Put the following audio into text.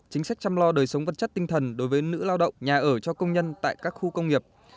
chính sách chăm lo đời sống vật chất tinh thần đối với nữ lao động nhà ở cho công nhân tại các khu công nghiệp